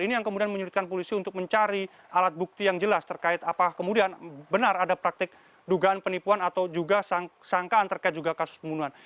ini yang kemudian menyulitkan polisi untuk mencari alat bukti yang jelas terkait apa kemudian benar ada praktik dugaan penipuan atau juga sangkaan terkait juga kasus pembunuhan